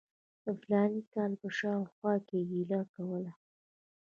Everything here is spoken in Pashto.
د فلاني کال په شاوخوا کې یې ګیله کوله.